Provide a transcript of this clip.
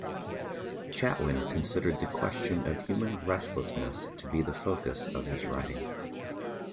Chatwin considered the question of human restlessness to be the focus of his writing.